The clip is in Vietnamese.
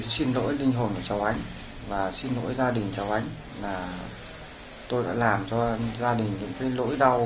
sự việc được tóm được như sau